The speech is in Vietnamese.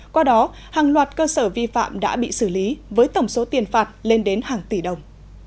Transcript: qua đó hàng loạt cơ sở vi phạm đã bị xử lý với tổng số tiền phạt lên đến hàng tỷ đồng